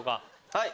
はい。